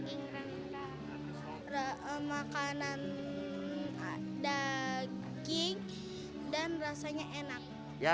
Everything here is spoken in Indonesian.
ingren makanan daging dan rasanya enak